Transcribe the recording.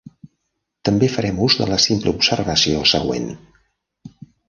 També farem ús de la simple observació següent.